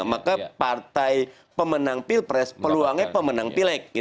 maka partai pemenang pilpres peluangnya pemenang pileg